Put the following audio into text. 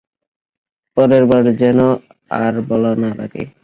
পরের বার যেন আর বলা না লাগে!